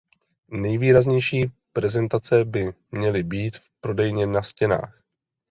Nejvýraznější prezentace by měly být v prodejně na stěnách.